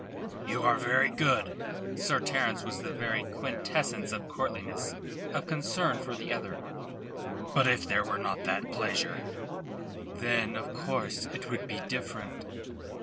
"You are very good." Sir Terence was the very quintessence of courtliness, of concern for the other. "But if there were not that pleasure?" "Then, of course, it would be different."